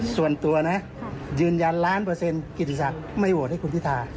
ส่วนตัวนะยืนยันล้านเปอร์เซ็นกิติศักดิ์ไม่โหวตให้คุณพิธา